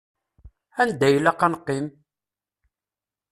Anda ilaq ad neqqim?